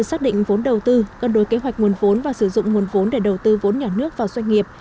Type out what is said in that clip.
xác định vốn đầu tư cân đối kế hoạch nguồn vốn và sử dụng nguồn vốn để đầu tư vốn nhà nước vào doanh nghiệp